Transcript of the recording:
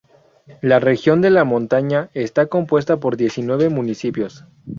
La Región de La Montaña está compuesta por diecinueve municipios.